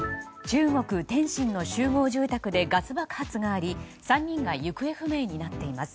中国・天津の集合住宅でガス爆発があり３人が行方不明になっています。